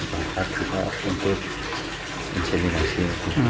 dan kita berpakat untuk menikmati